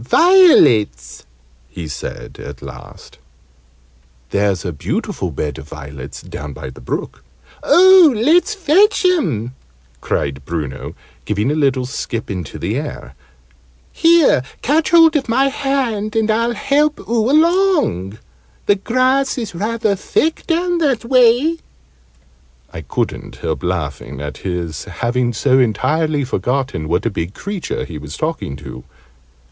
"Violets," he said, at last. "There's a beautiful bed of violets down by the brook " "Oh, let's fetch 'em!" cried Bruno, giving a little skip into the air. "Here! Catch hold of my hand, and I'll help oo along. The grass is rather thick down that way." I couldn't help laughing at his having so entirely forgotten what a big creature he was talking to.